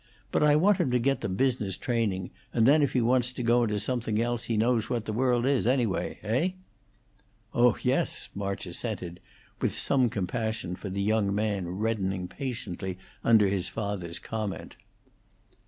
But I want him to get the business training, and then if he wants to go into something else he knows what the world is, anyway. Heigh?" "Oh yes!" March assented, with some compassion for the young man reddening patiently under his father's comment.